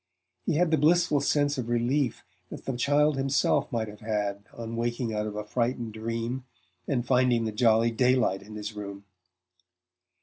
He had the blissful sense of relief that the child himself might have had on waking out of a frightened dream and finding the jolly daylight in his room.